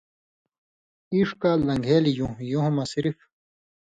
اِݜ کال لن٘گھیلیۡ یُوں/یُون٘ہہۡ مہ صرف